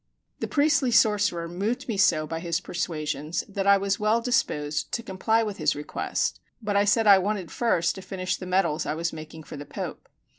This priestly sorcerer moved me so by his persuasions that I was well disposed to comply with his request; but I said I wanted first to finish the medals I was making for the Pope.